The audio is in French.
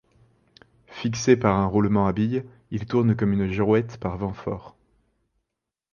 Fixé par un roulement à billes, il tourne comme une girouette par vent fort.